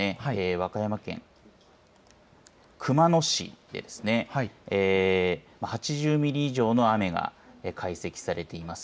和歌山県熊野市ですね８０ミリ以上の雨が解析されています。